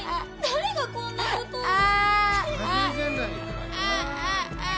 誰がこんな事を。